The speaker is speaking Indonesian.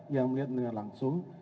yang melihat mendengar langsung